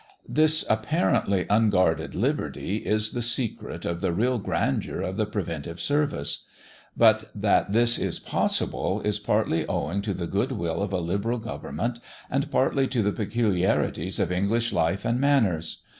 This apparently unguarded liberty is the secret of the real grandeur of the Preventive Service. But that this is possible, is partly owing to the good will of a liberal government, and partly to the peculiarities of English life and manners.